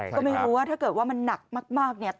ก็ไม่รู้ว่าถ้าเกิดว่ามันหนักมากเนี่ย